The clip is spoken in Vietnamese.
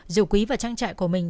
dù quý vào trang trại của mình